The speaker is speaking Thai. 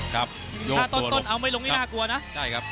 ครับโดนถ้าต้นเอาไม่ลงนี่น่ากลัวนะ